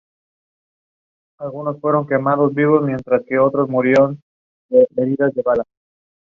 I suppose you help your mother a good deal?